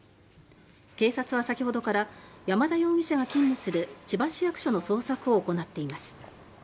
警察は、先ほどから山田容疑者が勤務する千葉市役所の捜索を行っています。